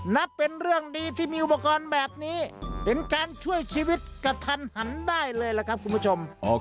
นับเป็นเรื่องดีที่มีอุปกรณ์แบบนี้เป็นการช่วยชีวิตกระทันหันได้เลยล่ะครับคุณผู้ชม